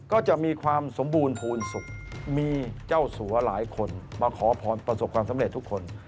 ก็จะมีความสมบูรณ์ภูมิสุขมีเจ้าสัวหลายคนมาขอพรประสบความสำเร็จทุกคน